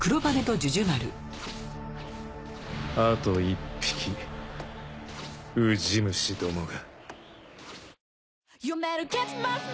あと１匹ウジ虫どもが。